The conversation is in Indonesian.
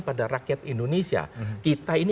pada rakyat indonesia kita ini